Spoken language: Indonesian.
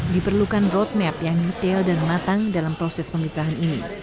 diperlukan roadmap yang detail dan matang dalam proses pemisahan ini